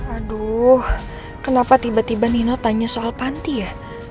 aduh kenapa tiba tiba nino tanya soal panti ya